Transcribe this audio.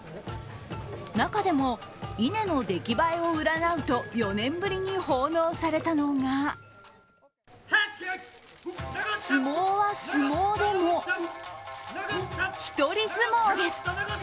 中でも、稲の出来栄えを占うと４年ぶりに奉納されたのが相撲は相撲でも一人角力です。